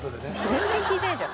全然聞いてないでしょ。